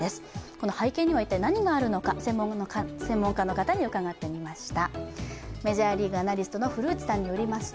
この背景には一体何があるのか、専門家に伺ってみました。